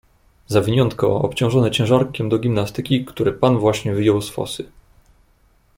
"Zawiniątko, obciążone ciężarkiem do gimnastyki, które pan właśnie wyjął z fosy."